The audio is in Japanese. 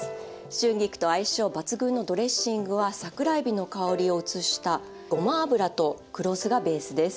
春菊と相性抜群のドレッシングは桜えびの香りを移したごま油と黒酢がベースです。